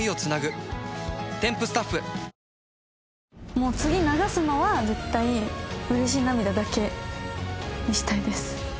もう次流すのは絶対うれし涙だけにしたいです。